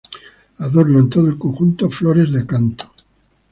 Adornan todo el conjunto flores de acanto.